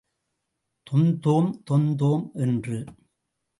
தொந்தோம் தொந்தோம் என்று.